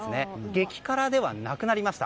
激辛ではなくなりました。